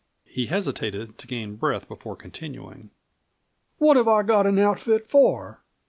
He hesitated to gain breath before continuing. "What have I got an outfit for?